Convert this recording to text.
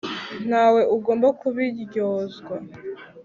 ntawe ugomba kubiryozwa